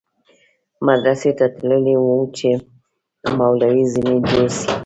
مدرسې ته تللى و چې مولوى ځنې جوړ سي.